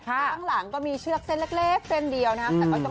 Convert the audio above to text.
ข้างหลังก็มีเชือกเส้นเล็กเส้นเดียวนะครับ